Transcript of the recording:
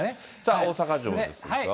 大阪城ですが。